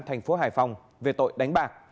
thành phố hải phòng về tội đánh bạc